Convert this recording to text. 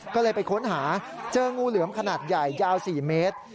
ก็เลยไปค้นหาเจองูเหลือมขนาดใหญ่ยาว๔เมตร